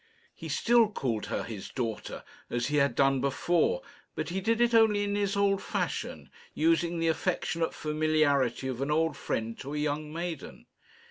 He still called her his daughter, as he had done before; but he did it only in his old fashion, using the affectionate familiarity of an old friend to a young maiden.